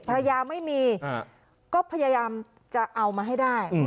ภรรยาไม่มีก็พยายามจะเอามาให้ได้